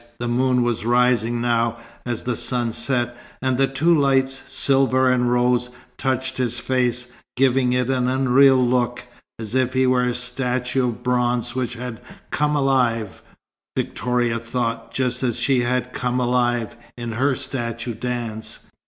The moon was rising now, as the sun set, and the two lights, silver and rose, touched his face, giving it an unreal look, as if he were a statue of bronze which had "come alive," Victoria thought, just as she had "come alive" in her statue dance.